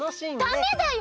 ダメだよ！